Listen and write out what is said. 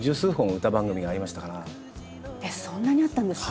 えっそんなにあったんですか？